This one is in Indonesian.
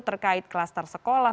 terkait klaster sekolah